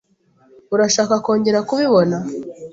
Urashaka kongera kubibona?